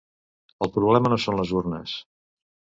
El problema no són les urnes.